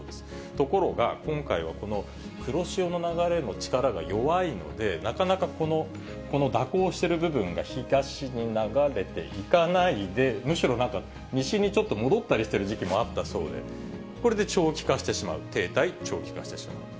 ところが、今回はこの黒潮の流れの力が弱いので、なかなかこの蛇行している部分が東に流れていかないで、むしろなんか、西にちょっと戻ったりしてる時期もあったそうで、これで長期化してしまう、停滞、長期化してしまう。